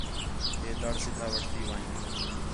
ہِے تڑ سِدّھا وٹھتی ون٘ڄ